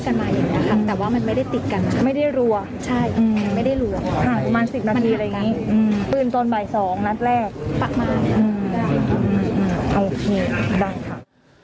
ปืนตอนบ่าย๒นัดแรกปั๊กมาโอเคได้ค่ะ